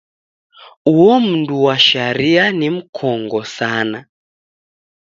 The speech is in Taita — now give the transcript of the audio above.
Uo mndu wa sharia ni mkongo sana.